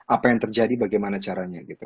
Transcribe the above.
apa yang terjadi bagaimana caranya gitu